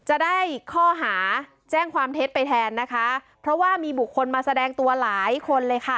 จะได้ข้อหาแจ้งความเท็จไปแทนนะคะเพราะว่ามีบุคคลมาแสดงตัวหลายคนเลยค่ะ